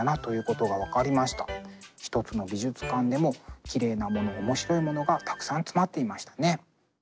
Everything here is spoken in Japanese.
一つの美術館でもきれいなもの面白いものがたくさん詰まっていましたね。